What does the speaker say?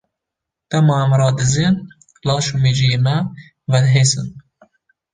Dema em radizên laş û mejiyê me vedihesin.